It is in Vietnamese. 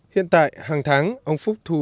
hiện tại hàng tháng ông phúc thu